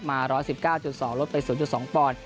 มาร้อยสิบเก้าจุดสองลดไปสองจุดสองปอน